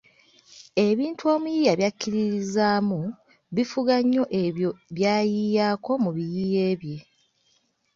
Ebintu omuyiiya by’akkiririzaamu bifuga nnyo ebyo by’ayiiyaako mu biyiiye bye.